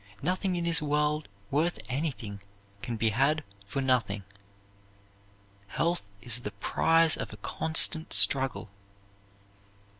Nothing in this world worth anything can be had for nothing. Health is the prize of a constant struggle.